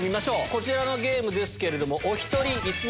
こちらのゲームですけれども。